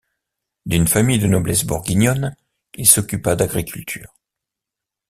D'une famille de noblesse bourguignonne, il s'occupa d'agriculture.